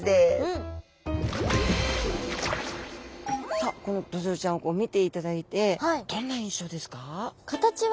さあこのドジョウちゃんを見ていただいてどんな印象ですか？